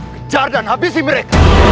kejar dan habisi mereka